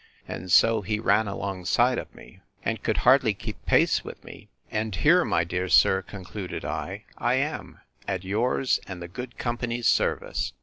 And so he ran alongside of me, and could hardly keep pace with me:—And here, my dear sir, concluded I, I am, at yours and the good company's service.